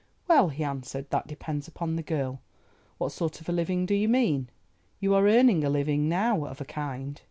"Well," he answered, "that depends upon the girl. What sort of a living do you mean? You are earning a living now, of a kind."